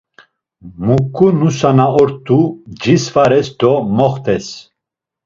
Muǩu nusa na ort̆u cisvares do moxt̆es.